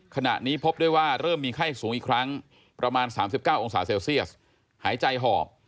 ขณะนี้พบด้วยว่าเริ่มมีไข้สูงอีกครั้งประมาณ๓๙องศาเซลเซียสหายใจหอบ